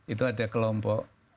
itu ada kelompok